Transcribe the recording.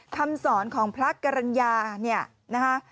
คำสอนของพระกรรณญาเนี่ยนะคะ